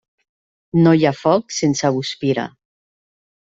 No hi ha foc sense guspira.